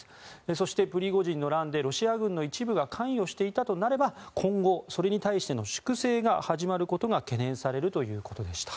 そして、プリゴジンの乱でロシア軍の一部が関与していたとなれば今後、それに対しての粛清が始まることが懸念されるということでした。